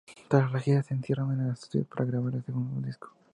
Tras la gira se encierran en los estudios para grabar el segundo disco.